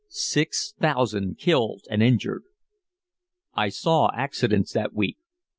Six thousand killed and injured! I saw accidents that week.